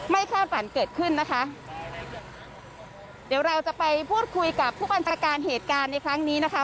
คาดฝันเกิดขึ้นนะคะเดี๋ยวเราจะไปพูดคุยกับผู้บัญชาการเหตุการณ์ในครั้งนี้นะคะ